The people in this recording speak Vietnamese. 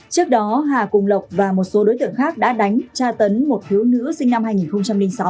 trước đó hà cùng lộc và một số đối tượng khác đã đánh tra tấn một thiếu nữ sinh năm hai nghìn sáu